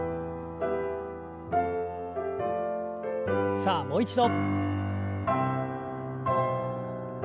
さあもう一度。